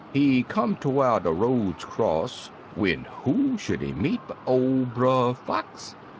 He come ter whar de roads cross, when who should he meet but ol' Brer Fox!